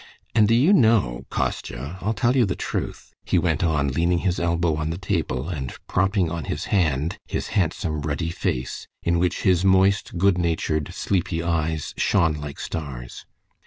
And do you know, Kostya, I'll tell you the truth," he went on, leaning his elbow on the table, and propping on his hand his handsome ruddy face, in which his moist, good natured, sleepy eyes shone like stars.